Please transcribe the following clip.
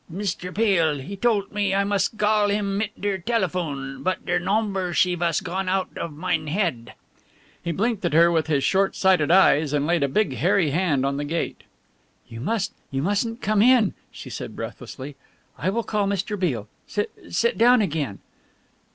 "Mister Peale, he tolt me, I must gall him mit der telephone, but der nomber she vas gone oudt of mine head!" He blinked at her with his short sighted eyes and laid a big hairy hand on the gate. "You must you mustn't come in," she said breathlessly. "I will call Mr. Beale sit sit down again."